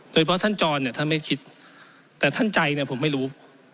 โดยเพราะท่านจรเนี่ยท่านไม่คิดแต่ท่านใจเนี่ยผมไม่รู้